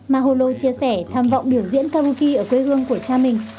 maholo chia sẻ tham vọng biểu diễn karaoki ở quê hương của cha mình